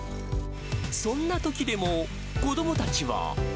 そんなときでも、子どもたちは。